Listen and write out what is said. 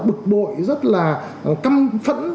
bực bội rất là căm phẫn